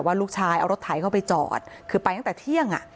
ลูกชายเอารถไถเข้าไปจอดคือไปตั้งแต่เที่ยงอ่ะ